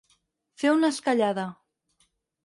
Fer una esquellada.